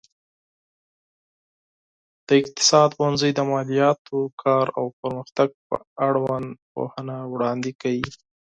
د اقتصاد پوهنځی د مالياتو، کار او پرمختګ په اړوند پوهنه وړاندې کوي.